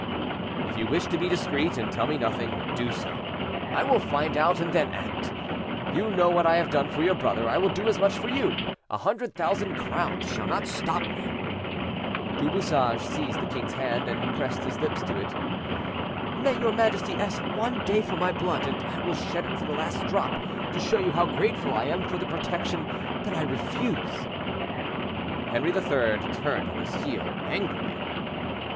"If you wish to be discreet, and tell me nothing, do so; I will find out, and then act. You know what I have done for your brother, I will do as much for you; a hundred thousand crowns shall not stop me." Du Bouchage seized the king's hand, and pressed his lips to it. "May your majesty ask one day for my blood, and I will shed it to the last drop to show you how grateful I am for the protection that I refuse!" Henri III. turned on his heel angrily.